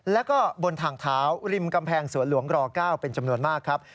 แล้วก็บนทางเท้าริมกำแพงสวนหลวงร๙เป็นจำนวนมากครับ